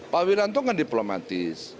pak wiranto kan diplomatis